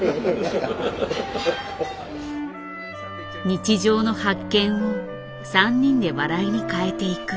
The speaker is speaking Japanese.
日常の発見を３人で笑いに変えていく。